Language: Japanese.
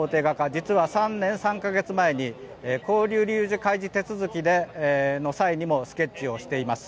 実は３年３か月前に勾留理由開示手続きの際にもスケッチをしています。